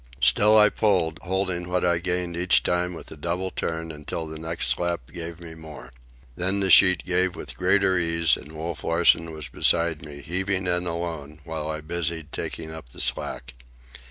Still I pulled, holding what I gained each time with a double turn until the next slap gave me more. Then the sheet gave with greater ease, and Wolf Larsen was beside me, heaving in alone while I was busied taking up the slack.